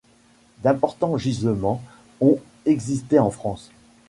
D'importants gisements ont existé en France.